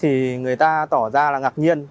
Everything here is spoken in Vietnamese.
thì người ta tỏ ra là ngạc nhiên